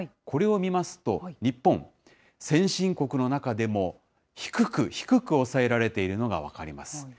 これを見ますと、日本、先進国の中でも低く低く抑えられているのが分かります。